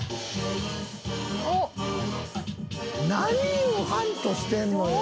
「何をハントしてんのよ？